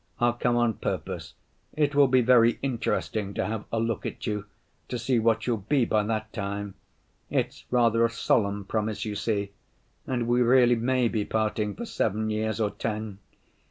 I'll come on purpose. It will be very interesting to have a look at you, to see what you'll be by that time. It's rather a solemn promise, you see. And we really may be parting for seven years or ten.